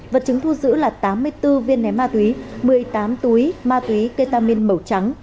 vật chứng thu giữ là tám mươi bốn viên ném ma túy một mươi tám túi ma túy ketamin màu trắng